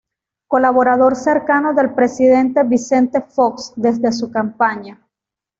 Colaborador cercano del Presidente Vicente Fox desde su campaña.